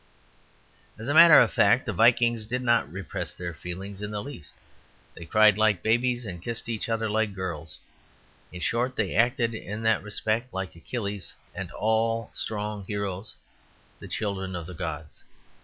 As a matter of fact, the Vikings did not repress their feelings in the least. They cried like babies and kissed each other like girls; in short, they acted in that respect like Achilles and all strong heroes the children of the gods.